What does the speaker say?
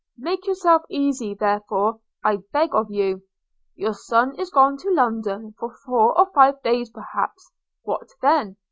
Make yourselves easy, therefore, I beg of you. You son is gone to London for four or five days perhaps – what then?